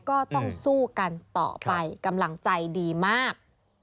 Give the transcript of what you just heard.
ก็ต้องสู้กันต่อไปกำลังใจดีมาก